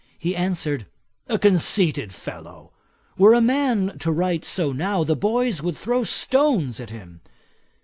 He answered, 'A conceited fellow. Were a man to write so now, the boys would throw stones at him.'